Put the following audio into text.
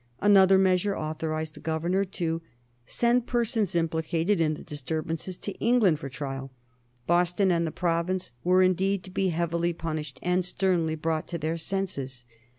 Another measure authorized the Governor to send persons implicated in the disturbances to England for trial. Boston and the province were indeed to be heavily punished and sternly brought to their senses.